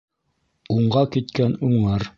Уңға киткән уңыр